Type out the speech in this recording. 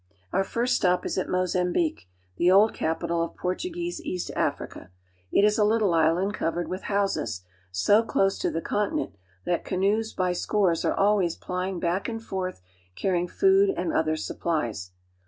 Our first stop is at Mozambique, the old capital of Por tuguese East Africa. It is a little island covered with houses, so close to the continent that canoes by scores are always plying back and forth carrying food and other supplies.